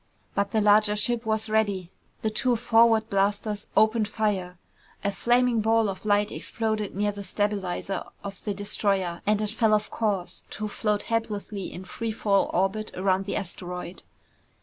But the larger ship was ready. The two forward blasters opened fire. A flaming ball of light exploded near the stabilizer of the destroyer and it fell off course to float helplessly in free fall orbit around the asteroid.